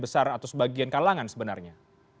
besar atau sebagian kalangan sebenarnya